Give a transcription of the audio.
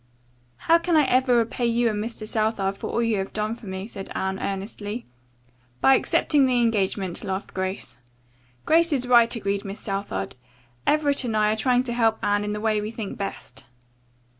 "How can I ever repay you and Mr. Southard for all you have done for me?" said Anne earnestly. "By accepting the engagement," laughed Grace. "Grace is right," agreed Miss Southard. "Everett and I are trying to help Anne in the way we think best."